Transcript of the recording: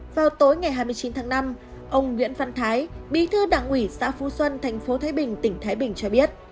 vào tối ngày hai mươi chín tháng năm ông nguyễn văn thái bí thư đảng ủy xã phú xuân thành phố thái bình tỉnh thái bình cho biết